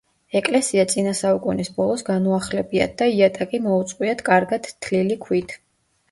ეკლესია წინა საუკუნის ბოლოს განუახლებიათ და იატაკი მოუწყვიათ კარგად თლილი ქვით.